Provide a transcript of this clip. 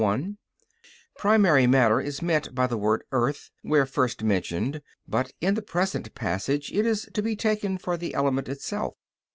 i), primary matter is meant by the word earth, where first mentioned, but in the present passage it is to be taken for the element itself.